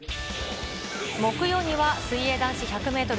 木曜には水泳男子１００メートル